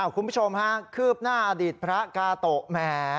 คุณผู้ชมฮะคืบหน้าอดีตพระกาโตะแหม